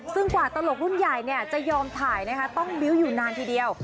ซึ่งกว่าตลกรุ่นใหญ่จะยอมถ่ายนะคะต้องบิ้วอยู่นานทีเดียว